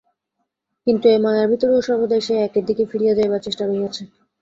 কিন্তু এই মায়ার ভিতরেও সর্বদাই সেই একের দিকে ফিরিয়া যাইবার চেষ্টা রহিয়াছে।